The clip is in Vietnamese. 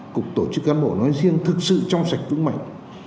cục tổ chức cán bộ nói riêng thực sự trong sạch vững mạnh